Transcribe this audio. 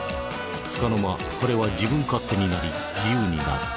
つかの間彼は自分勝手になり自由になる。